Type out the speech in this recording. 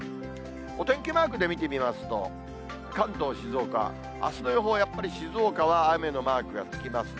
お天気マークで見てみますと、関東、静岡、あすの予報はやっぱり、静岡は雨のマークがつきますね。